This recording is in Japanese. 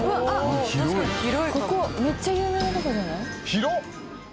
ここめっちゃ有名なとこじゃない？広っ！